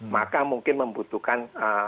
maka mungkin membutuhkan